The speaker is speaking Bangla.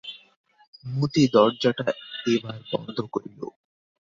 মতি দরজাটা এবার বন্ধ করিল।